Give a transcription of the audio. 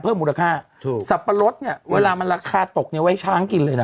มูลค่าถูกสับปะรดเนี่ยเวลามันราคาตกเนี้ยไว้ช้างกินเลยนะ